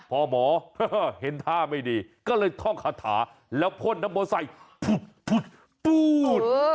พอหมอเห็นท่าไม่ดีก็เลยท่องคาถาแล้วพ่นน้ำโมไซค์ปูด